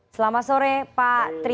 selamat sore pak tri